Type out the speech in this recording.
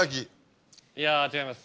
いや違います。